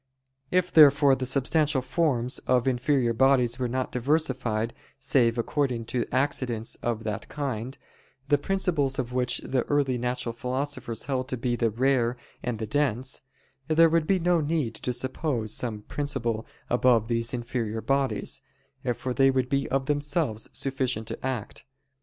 If therefore the substantial forms of inferior bodies were not diversified save according to accidents of that kind, the principles of which the early natural philosophers held to be the "rare" and the "dense"; there would be no need to suppose some principle above these inferior bodies, for they would be of themselves sufficient to act.